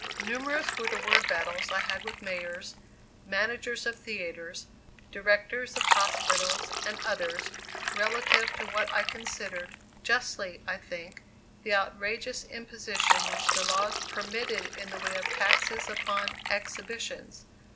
Numerous were the word battles I had with mayors, managers of theatres, directors of hospitals, and others, relative to what I considered justly, I think the outrageous imposition which the laws permitted in the way of taxes upon "exhibitions."